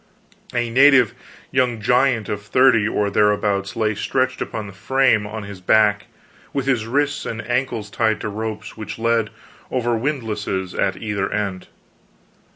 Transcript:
A native young giant of thirty or thereabouts lay stretched upon the frame on his back, with his wrists and ankles tied to ropes which led over windlasses at either end.